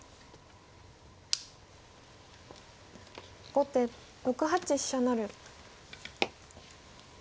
後手６八飛車成。